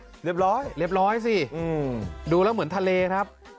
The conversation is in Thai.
เรียบร้อยเรียบร้อยสิดูแล้วเหมือนทะเลครับ